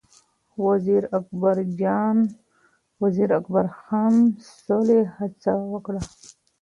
وزیر اکبرخان سولې هڅه وکړه